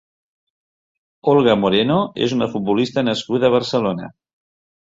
Olga Moreno és una futbolista nascuda a Barcelona.